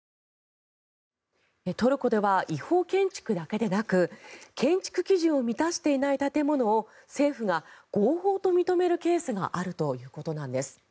トルコでは違法建築だけでなく建築基準を満たしていない建物を政府が合法と認めるケースがあるということなんです。